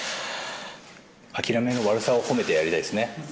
諦めの悪さを褒めてやりたいですね。